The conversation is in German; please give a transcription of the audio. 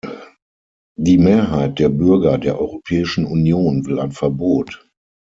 Die Mehrheit der Bürger der Europäischen Union will ein Verbot.